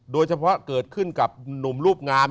โดยเฉพาะเกิดขึ้นกับหนุ่มรูปงาม